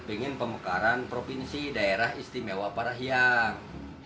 ingin pemekaran provinsi daerah istimewa parahyang